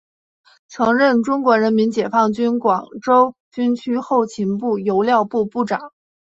曾任中国人民解放军广州军区后勤部油料部部长。